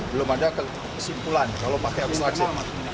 belum ada kesimpulan kalau pakai abstruksi